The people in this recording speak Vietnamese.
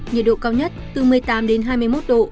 nhiệt độ cao nhất từ một mươi tám đến hai mươi một độ